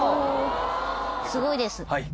すごいです。